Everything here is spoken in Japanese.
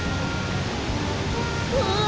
うわ！